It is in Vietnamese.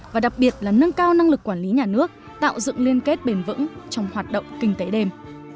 và đặc biệt là nâng cao năng lực quản lý nhà nước tạo dựng liên kết bền vững trong hoạt động kinh tế đêm